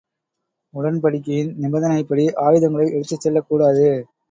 உடன்படிக்கையின் நிபந்தனைப்படி ஆயுதங்களை எடுத்துச் செல்லக் கூடாது.